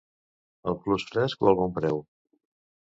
Al Plusfresc o al Bonpreu?